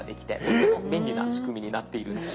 とても便利な仕組みになっているんです。